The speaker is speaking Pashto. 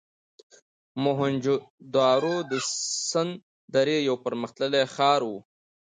موهنچودارو د سند درې یو پرمختللی ښار و.